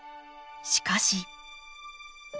しかし。